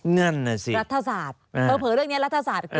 นั่นน่ะสิรัฐศาสตร์